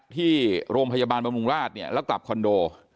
ที่โรงพยาบาลบำรุงราชเนี่ยแล้วกลับคอนโด